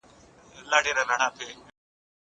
او څنګه به تر خپلې هغې ګټې تېر شي